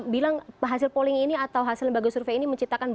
bilang hasil polling ini atau hasil lembaga survei ini menciptakan